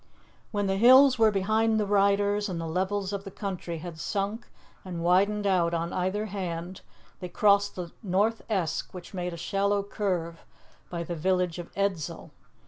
When the hills were behind the riders and the levels of the country had sunk and widened out on either hand, they crossed the North Esk, which made a shallow curve by the village of Edzell.